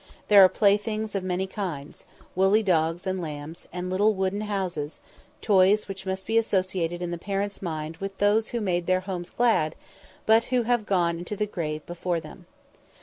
There are playthings of many kinds, woolly dogs and lambs, and little wooden houses, toys which must be associated in the parents' minds with those who made their homes glad, but who have gone into the grave before them.